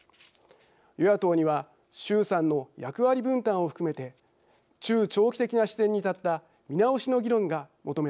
与野党には衆参の役割分担を含めて中長期的な視点に立った見直しの議論が求められます。